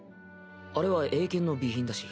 あれは映研の備品だし。